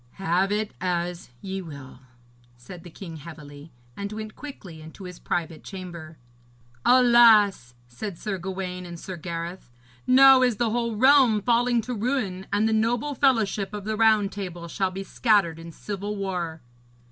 'Have it as ye will,' said the king heavily, and went quickly into his private chamber. 'Alas!' said Sir Gawaine and Sir Gareth, 'now is the whole realm falling to ruin, and the noble fellowship of the Round Table shall be scattered in civil war.'